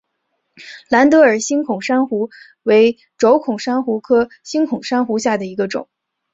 蓝德尔星孔珊瑚为轴孔珊瑚科星孔珊瑚下的一个种。